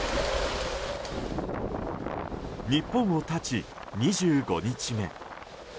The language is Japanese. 日本を発ち２５日目。